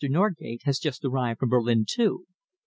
Norgate has just arrived from Berlin, too."